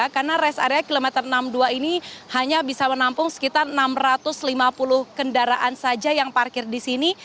karena res area kilometer enam puluh dua ini hanya bisa menampung sekitar enam ratus lima puluh kendaraan saja yang parkir di sini